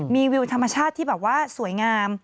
มีวิวธรรมชาติที่แบบว่าสวยงาม